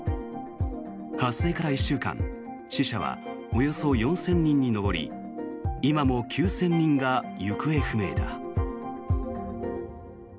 発生から１週間死者はおよそ４０００人に上り今も９０００人が行方不明だ。